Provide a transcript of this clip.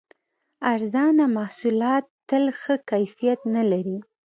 ارزانه محصولات تل ښه کیفیت نه لري.